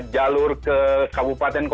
jalur ke kabupaten kotanya itu